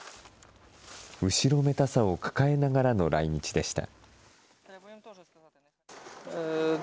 後ろめたさを抱えながらの来日でした。